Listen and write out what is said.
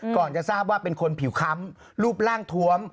ก่อนจะทราบว่าเป็นคนผิวค้ำรูปร่างทวม